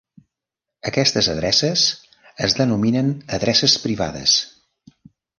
Aquestes adreces es denominen adreces privades.